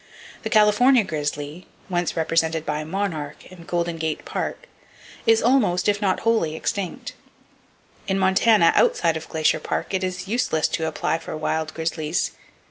The California grizzly, once represented by "Monarch" in Golden Gate Park, is almost, if not wholly, extinct. In Montana, outside of Glacier Park it is useless to apply for wild grizzlies.